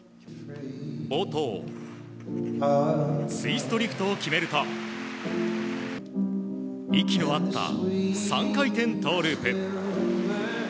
冒頭、ツイストリフトを決めると息の合った３回転トウループ。